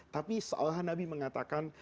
tapi seolah nabi mengatakan